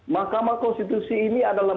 makamah konstitusi ini adalah